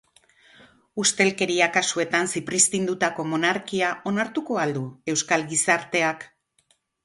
Ustelkeria kasuetan zipriztindutako monarkia onartuko al du euskal gizarteak?